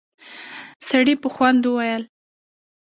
سړي په خوند وويل: